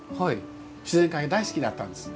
自然界、大好きだったんです。